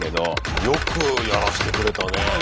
よくやらせてくれたね。